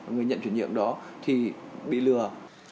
người nhận chuyển nhiệm đó thì bị lừa